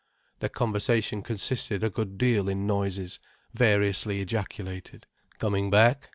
Their conversation consisted a good deal in noises variously ejaculated. "Coming back?"